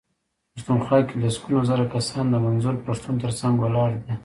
پښتونخوا کې لسګونه زره کسان د منظور پښتون ترڅنګ ولاړ دي.